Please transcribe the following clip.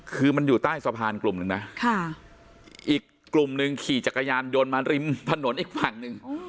คือมันอยู่ใต้สะพานกลุ่มหนึ่งนะอีกกลุ่มหนึ่งขี่จักรยานยนต์มาริมถนนอีกฝั่งหนึ่ง